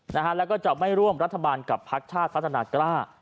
นะฮะแล้วก็จะไม่ร่วมรัฐบาลกับภักดิ์ชาติพัฒนากราพ